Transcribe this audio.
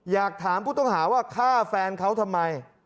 อยากถามผู้ต้องหาว่าฆ่าแฟนเขาทำไม